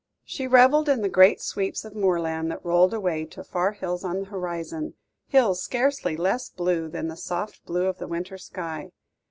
She revelled in the great sweeps of moorland that rolled away to far hills on the horizon, hills scarcely less blue than the soft blue of the winter sky.